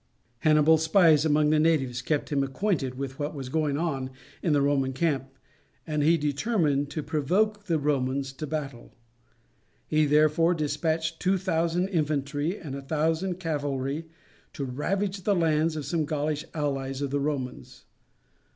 Hannibal's spies among the natives kept him acquainted with what was going on in the Roman camp, and he determined to provoke the Romans to battle. He therefore despatched two thousand infantry and a thousand cavalry to ravage the lands of some Gaulish allies of the Romans.